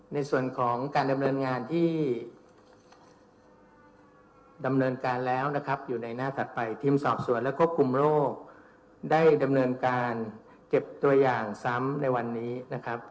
ในส่วนของการดำเนินงานที่ดำเนินการแล้วนะครับอยู่ในหน้าถัดไปทีมสอบสวนและควบคุมโรคได้ดำเนินการเก็บตัวอย่างซ้ำในวันนี้นะครับ